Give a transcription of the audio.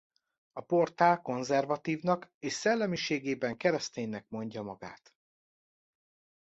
A portál konzervatívnak és szellemiségében kereszténynek mondja magát.